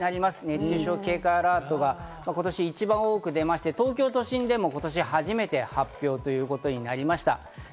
熱中症警戒アラートが今年一番多く出まして、東京都心でも今年初めて発表ということになりました。